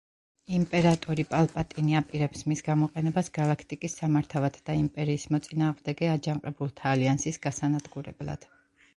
იმპერატორი პალპატინი აპირებს მის გამოყენებას გალაქტიკის სამართავად და იმპერიის მოწინააღმდეგე აჯანყებულთა ალიანსის გასანადგურებლად.